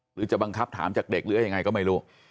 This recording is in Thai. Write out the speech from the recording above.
หรือจะบังคับถามจากเด็กหรือยังไงก็ไม่รู้